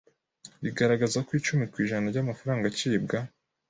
rigaragaza ko icumi ku ijana by’amafaranga acibwa